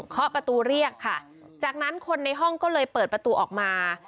ขอประตูเรียกค่ะจากนั้นคนในห้องก็เลยเปิดประตูออกมา